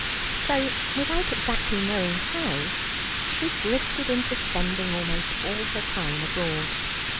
So without exactly knowing how, she drifted into spending almost all her time abroad.